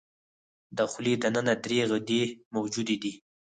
د خولې د ننه درې غدې موجودې دي.